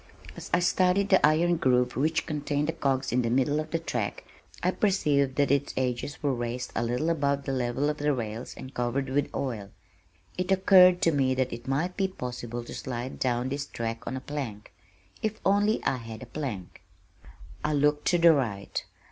As I studied the iron groove which contained the cogs in the middle of the track, I perceived that its edges were raised a little above the level of the rails and covered with oil. It occurred to me that it might be possible to slide down this track on a plank if only I had a plank! I looked to the right.